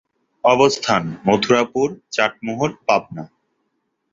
অবস্থান: মথুরাপুর, চাটমোহর, পাবনা।